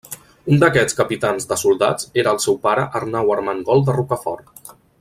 Un d'aquests capitans de soldats era el seu pare Arnau Ermengol de Rocafort.